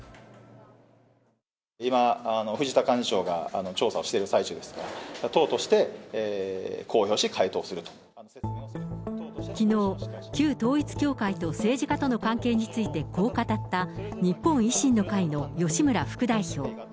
今、藤田幹事長が調査をしている最中ですから、党として、きのう、旧統一教会と政治家との関係についてこう語った、日本維新の会の吉村副代表。